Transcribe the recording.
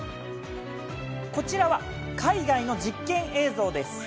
こちらは海外の実験映像です。